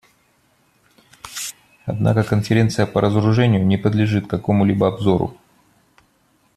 Однако Конференция по разоружению не подлежит какому-либо обзору.